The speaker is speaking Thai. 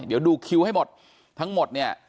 เดี๋ยวดูคิวให้หมดทั้งหมดเนี่ย